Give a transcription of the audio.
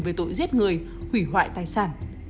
với tội giết người hủy hoại tài sản